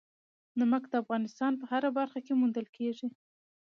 نمک د افغانستان په هره برخه کې موندل کېږي.